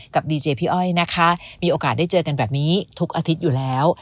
ดีเจพี่อ้อยนะคะมีโอกาสได้เจอกันแบบนี้ทุกอาทิตย์อยู่แล้ว